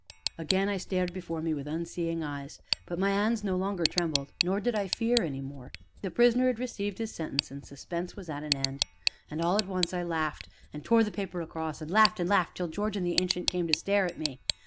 Again I stared before me with unseeing eyes, but my hands no longer trembled, nor did I fear any more; the prisoner had received his sentence, and suspense was at an end. And, all at once, I laughed, and tore the paper across, and laughed and laughed, till George and the Ancient came to stare at me.